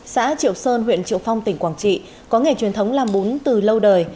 xã triệu sơn huyện triệu phong tỉnh quảng trị có nghề truyền thống làm bún từ lâu đời